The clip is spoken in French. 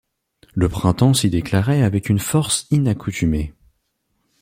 Le printemps s’y déclarait avec une force inaccoutumée.